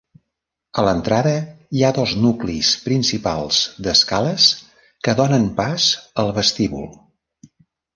A l'entrada hi ha dos nuclis principals d'escales que donen pas al vestíbul.